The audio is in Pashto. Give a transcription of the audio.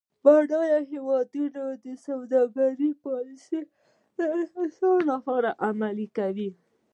بډایه هیوادونه د سوداګرۍ پالیسي د انحصار لپاره عملي کوي.